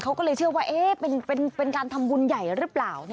เขาก็เลยเชื่อว่าเป็นการทำบุญใหญ่หรือเปล่า